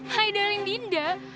hai darling dinda